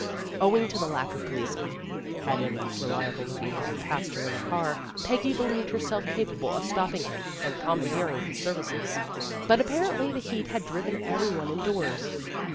Owing to the lack of policemen, had any re liable looking man passed her in a car, Peggy believed herself capable of stopping him and commandeering his services. But apparently the heat had driven every one indoors.